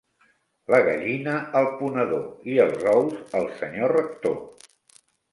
La gallina al ponedor, i els ous al senyor rector!